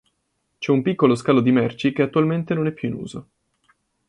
C'è un piccolo scalo merci che attualmente non è più in uso.